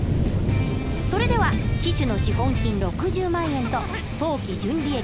それでは期首の資本金６０万円と当期純利益